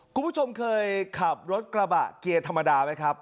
คุณผู้ชมเคยขับรถกระบะเกียร์ธรรมดาไหมครับ